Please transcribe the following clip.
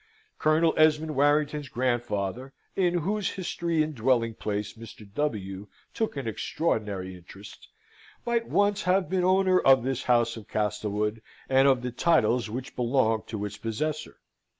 Colonel Esmond Warrington's grandfather (in whose history and dwelling place Mr. W. took an extraordinary interest), might once have been owner of this house of Castlewood, and of the titles which belonged to its possessor.